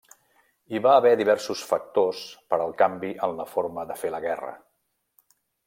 Hi va haver diversos factors per al canvi en la forma de fer la guerra.